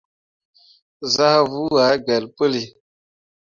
Zah vuu ah gbelle puli.